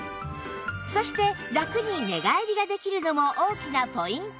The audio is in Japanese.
そしてラクに寝返りができるのも大きなポイント